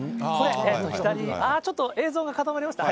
左、ちょっと映像が固まりましたね。